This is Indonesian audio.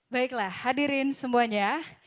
baiklah hadirin semuanya